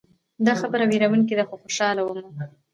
دا خبره ویروونکې ده خو خوشحاله ومه.